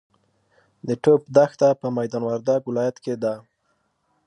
د ټوپ دښته په میدا وردګ ولایت کې ده.